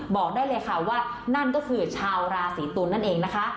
บอกได้เลยค่ะว่านั่นก็คือชาวราศีตุลนั่นเองนะคะ